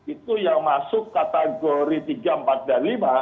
itu yang masuk kategori tiga empat dan lima